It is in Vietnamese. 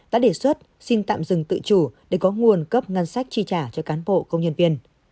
đã đề xuất xin tạm dừng tự chủ để có nguồn cấp ngân sách chi trả cho cán bộ công nhân viên